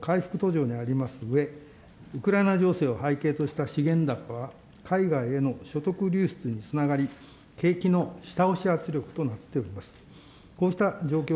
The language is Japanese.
わが国経済はコロナ禍からの回復途上にありますうえ、ウクライナ情勢を背景とした資源高は、海外への所得流出につながり、景気の下押し圧力となっております。